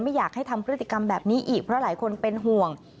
ไม่อยากให้ทำพฤติกรรมแบบนี้อีกเพราะหลายคนเป็นห่วง